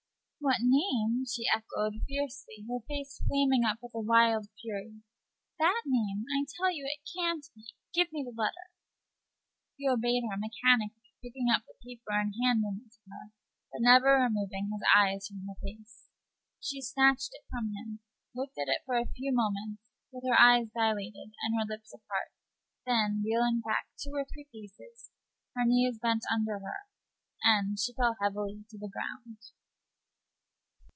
"What name?" she echoed fiercely, her face flaming up with a wild fury "that name! I tell you it can't be. Give me the letter." Page 74 He obeyed her mechanically, picking up the paper and handing it to her, but never removing his eyes from her face. She snatched it from him; looked at it for a few moments with her eyes dilated and her lips apart; then, reeling back two or three paces, her knees bent under her, and she fell heavily to the ground.